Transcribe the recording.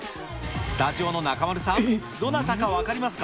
スタジオの中丸さん、どなたか分かりますか。